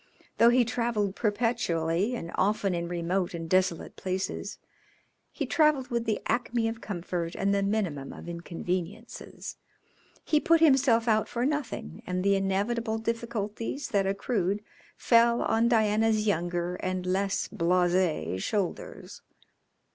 Though he travelled perpetually and often in remote and desolate places, he travelled with the acme of comfort and the minimum of inconveniences. He put himself out for nothing, and the inevitable difficulties that accrued fell on Diana's younger and less blase shoulders.